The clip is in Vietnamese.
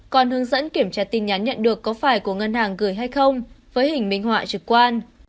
còn hướng dẫn kiểm tra tin nhắn nhận được có phải của ngân hàng gửi hay không với hình minh họa trực quan